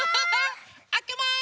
あけます！